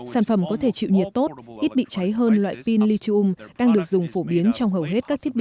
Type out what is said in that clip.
sản phẩm có thể chịu nhiệt tốt ít bị cháy hơn loại pin lithium đang được dùng phổ biến trong hầu hết các thiết bị